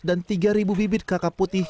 dan tiga bibit kakap putih